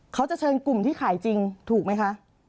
เขาจะเชิญกลุ่มที่ขายจริงถูกไหมคะ